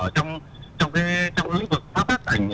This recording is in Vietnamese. trong lĩnh vực phát tác ảnh